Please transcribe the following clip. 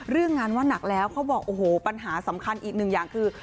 เรื่องงานว่านักแล้วเขาบอกโอ้โหปัญหาสำคัญอีกหนึ่งอย่างคือ